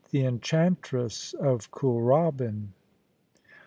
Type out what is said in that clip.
THE ENXHANTRESS OF KOORALBVN.